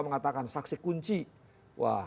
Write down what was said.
mengatakan saksi kunci wah